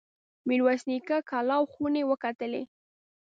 میرویس نیکه کلا او خونې وکتلې.